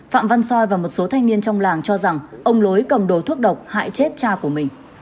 phạm văn soi và một số thanh niên trong làng cho rằng ông lối cầm đồ thuốc độc hại chết cha của mình